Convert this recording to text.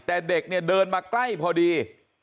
แต่เด็กเนี่ยเดินมาใกล้พอดี